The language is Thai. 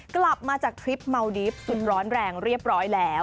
กลับมาจากทริปเมาดีฟสุดร้อนแรงเรียบร้อยแล้ว